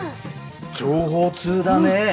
情報通だね。